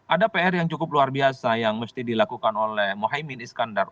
ada pr yang cukup luar biasa yang mesti dilakukan oleh mohaimin iskandar